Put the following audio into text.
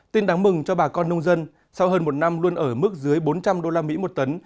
tin đáng mừng cho bà con nông dân sau hơn một năm luôn ở mức dưới bốn trăm linh usd một tấn